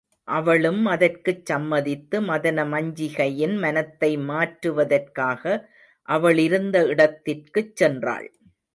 அவளும் அதற்குச் சம்மதித்து மதனமஞ்சிகையின் மனத்தை மாற்றுவதற்காக அவளிருந்த இடத்திற்குச் சென்றாள்.